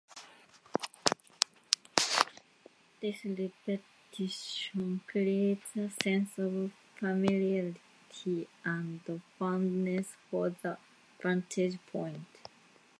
This repetition creates a sense of familiarity and fondness for the vantage point.